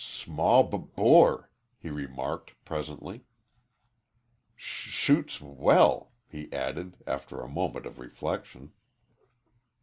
"Small b bore," he remarked, presently. "Sh shoots w well," he added, after a moment of reflection.